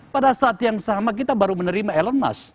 pada saat yang sama kita baru menerima elon musk